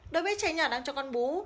đối với trẻ nhỏ đang cho con bú